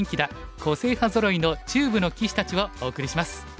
個性派ぞろいの中部の棋士たち」をお送りします。